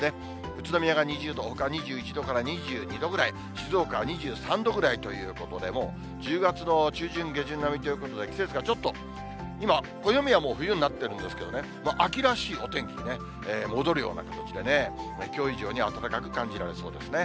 宇都宮が２０度、ほか２１度から２２度ぐらい、静岡は２３度ぐらいということで、１０月の中旬、下旬並みということで、季節がちょっと、今、暦はもう冬になってるんですけどね、秋らしいお天気にね、戻るような形でね、きょう以上に暖かく感じられそうですね。